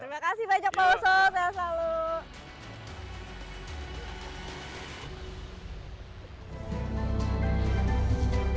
terima kasih banyak pak ustaz